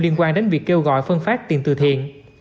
liên quan đến việc kêu gọi phân phát tiền từ thiện